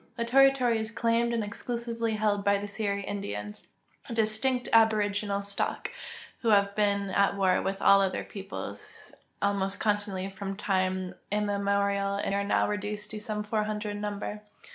The territory is claimed and exclusively held by the Seri Indians, a distinct aboriginal stock, who have been at war with all other peoples almost constantly from time immemorial and are now reduced to some 400 in numl>er.